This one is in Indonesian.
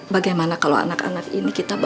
bagaimana kalau anak anak ini kita